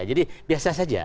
jadi biasa saja